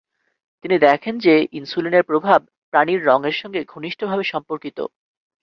তিনি দেখেন যে ইনসুলিনের প্রভাব প্রাণীর রঙের সঙ্গে ঘনিষ্ঠভাবে সম্পর্কিত।